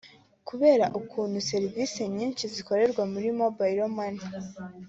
Kubera ukuntu serivisi nyinshi zikorerwa kuri Mobile Money